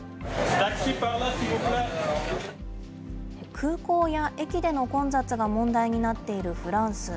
空港や駅での混雑が問題になっているフランス。